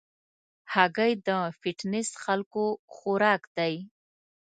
هګۍ د فټنس خلکو خوراک دی.